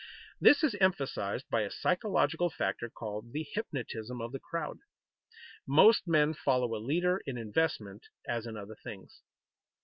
This is emphasized by a psychological factor called the "hypnotism of the crowd," Most men follow a leader in investment as in other things.